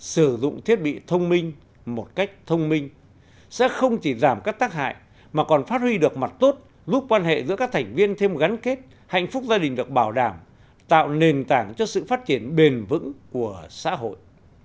sử dụng thiết bị thông minh một cách thông minh sẽ không chỉ giảm các tác hại mà còn phát huy được mặt tốt giúp quan hệ giữa các thành viên thêm gắn kết hạnh phúc gia đình được bảo đảm tạo nền tảng cho sự phát triển bền vững của xã hội